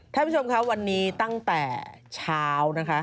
ท่านผู้ชมครับวันนี้ตั้งแต่เช้านะคะ